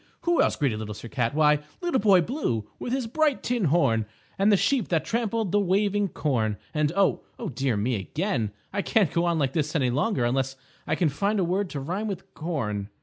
Who else greeted Little Sir Cat? Why, Little Boy Blue with his bright tin horn, and the Sheep that Trampled the Waving Corn, and, oh, dear me again, I can't go on like this any longer, unless I can find a word to rhyme with corn.